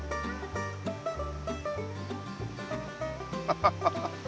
ハハハハ。